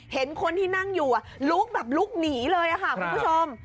เห็นคนที่นั่งอยู่ลุกแบบลุกหนีเลยค่ะคุณผู้ชม